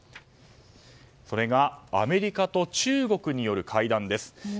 それがアメリカと中国による会談です。